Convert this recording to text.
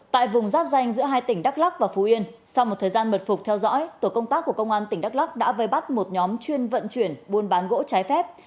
tại vùng giáp danh giữa hai tỉnh đắk lắc và phú yên sau một thời gian mật phục theo dõi tổ công tác của công an tỉnh đắk lắc đã vây bắt một nhóm chuyên vận chuyển buôn bán gỗ trái phép